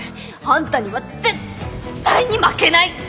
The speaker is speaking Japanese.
あんたには絶対に負けない！